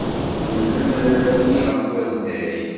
Qqen amrar-nni ɣer waddag.